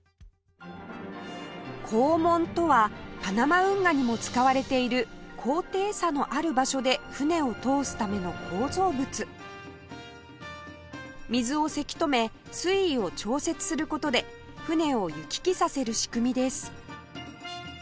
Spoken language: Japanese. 「閘門」とはパナマ運河にも使われている高低差のある場所で船を通すための構造物水をせき止め水位を調節する事で船を行き来させる仕組みです